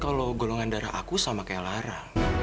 kalau golongan darah aku sama kayak lara